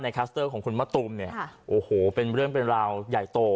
แครับเสียงของคุณมตุมฮาโอโหเป็นเรื่องเป็นราวใหญ่โต